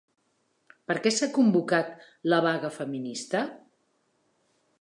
Per què s'ha convocat la vaga feminista?